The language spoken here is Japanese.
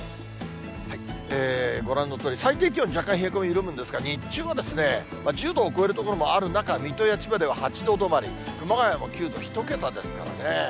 ご覧のとおり、最低気温、若干冷え込み緩むんですが、日中は、１０度を超える所もある中、水戸や千葉では８度止まり、熊谷も９度、１桁ですからね。